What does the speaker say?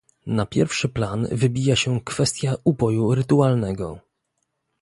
Na pierwszy plan wybija się kwestia uboju rytualnego